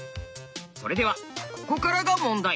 それではここからが問題。